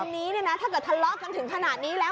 นี่ซองนี้ถ้าเกิดทะเลาะกันถึงขนาดนี้แล้ว